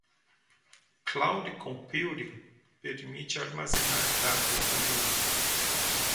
Cloud Computing permite armazenar dados na nuvem.